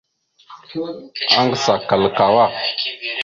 Aŋgəsa kal kawá.